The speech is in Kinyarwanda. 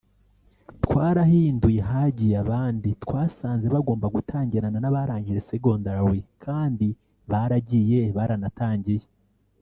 twarahinduye hagiye abandi twasanze bagomba gutangirana nabarangije secondary kandi baragiye baranatangiye